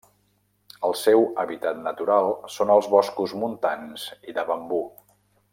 El seu hàbitat natural són els boscos montans i de bambú.